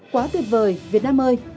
quá tuyệt vời việt nam ơi